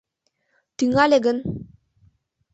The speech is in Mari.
Тӱҥале гын!